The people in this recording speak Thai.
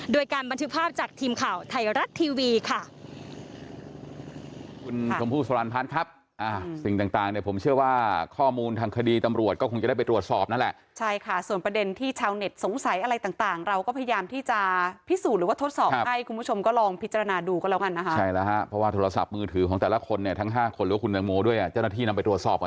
โดยการบันทึกภาพจากทีมข่าวไทยรัฐทีวีค่ะ